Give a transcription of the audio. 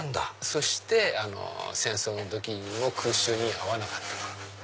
そして戦争の時にも空襲に遭わなかった所。